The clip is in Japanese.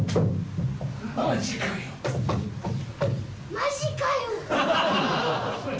マジかよ。